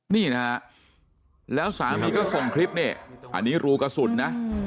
นี่นะฮะแล้วสามีก็ส่งคลิปนี่อันนี้รูกระสุนนะ